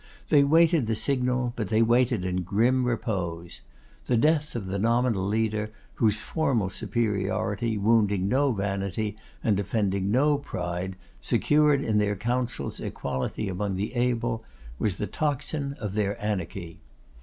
They waited the signal, but they waited in grim repose. The death of the nominal leader, whose formal superiority, wounding no vanity, and offending no pride, secured in their councils equality among the able, was the tocsin of their anarchy.